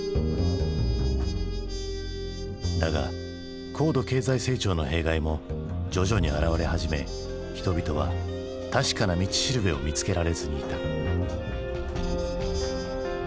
だが高度経済成長の弊害も徐々に現れ始め人々は確かな道しるべを見つけられずにいた。